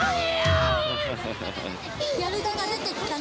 やる気が出てきた